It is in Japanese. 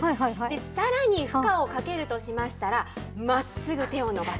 さらに負荷をかけるとしましたら、まっすぐ手を伸ばす。